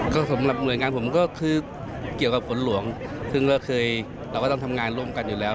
ก็สำหรับหน่วยงานผมก็คือเกี่ยวกับฝนหลวงซึ่งก็เคยเราก็ต้องทำงานร่วมกันอยู่แล้ว